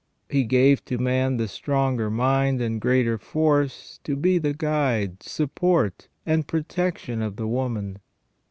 He gave to man the stronger mind and greater force, to be the guide, support, and protection of the woman.